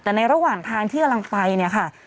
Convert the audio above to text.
แต่ในระหว่างทางที่กำลังไปเนี่ยค่ะ